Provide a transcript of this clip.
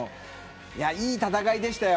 いい戦いでしたよ。